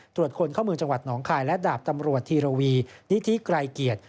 ตรวจคนเข้าเมืองจังหวัดหนองคายและดาบตำรวจธีรวีนิธิไกรเกียรติ